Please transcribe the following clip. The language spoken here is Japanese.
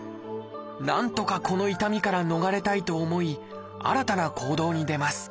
なんとかこの痛みから逃れたいと思い新たな行動に出ます。